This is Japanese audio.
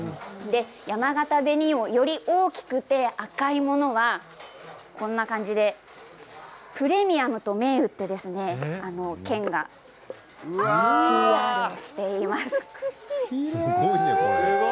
やまがた紅王より大きくて赤いものはプレミアムと銘打って県がＰＲしています。